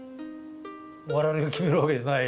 我々が決めるわけじゃない。